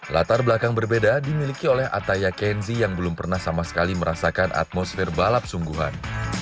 latar belakang berbeda dimiliki oleh ataya kenzi yang belum pernah sama sekali merasakan atmosfer balap sungguhan